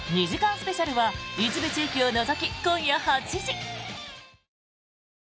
スペシャルは一部地域を除き、今夜８時！